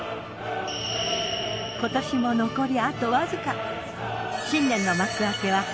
今年も残りあとわずか。